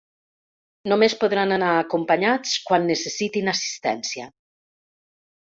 Només podran anar acompanyats quan necessitin assistència.